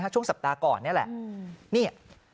ช่วงสัปดาห์ก่อนนี่ล่ะ